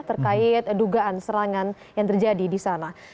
terkait dugaan serangan yang terjadi disana